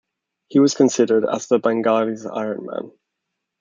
He was considered as the Bengals' Iron Man.